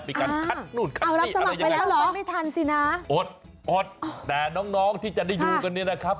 ไปกันคัดนู่นคัดนี่อะไรยังไงอดแต่น้องที่จะได้อยู่กันนี้นะครับ